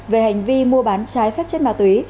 về hành vi mua bán trái phép chất ma túy